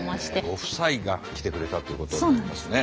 ご夫妻が来てくれたということになりますね。